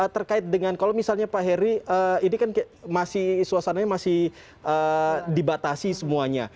terkait dengan kalau misalnya pak heri ini kan masih suasananya masih dibatasi semuanya